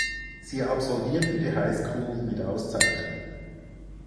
Sie absolvierte die High School mit Auszeichnung.